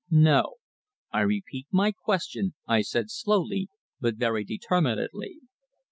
"No. I repeat my question," I said slowly, but very determinedly.